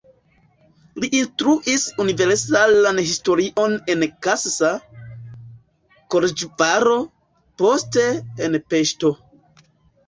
Li instruis universalan historion en Kassa, Koloĵvaro, poste en Peŝto.